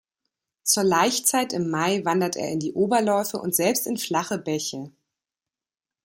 Zur Laichzeit im Mai wandert er in die Oberläufe und selbst in flache Bäche.